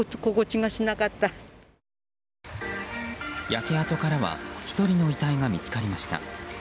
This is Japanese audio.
焼け跡からは１人の遺体が見つかりました。